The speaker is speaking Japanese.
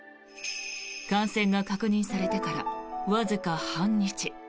感染が確認されてからわずか半日。